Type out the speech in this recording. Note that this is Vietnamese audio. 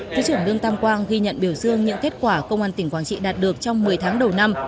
thứ trưởng lương tam quang ghi nhận biểu dương những kết quả công an tỉnh quảng trị đạt được trong một mươi tháng đầu năm